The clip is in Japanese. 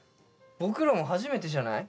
僕らも初めてじゃない？